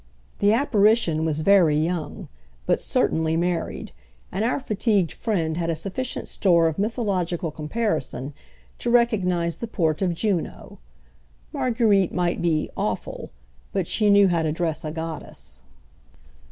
The apparition was very young, but certainly married, and our fatigued friend had a sufficient store of mythological comparison to recognise the port of Juno. Marguerite might be "awful," but she knew how to dress a goddess.